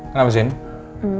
kenapa sih ini